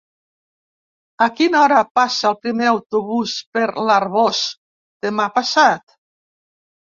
A quina hora passa el primer autobús per l'Arboç demà passat?